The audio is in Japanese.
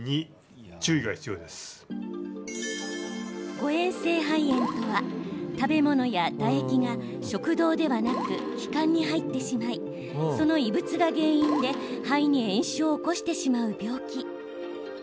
誤えん性肺炎とは食べ物や唾液が食道ではなく気管に入ってしまいその異物が原因で肺に炎症を起こしてしまう病気。